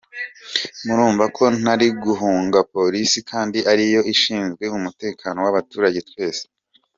Murumva ko ntari guhunga Polisi kandi ari yo ishinzwe umutekano w’abaturage twese.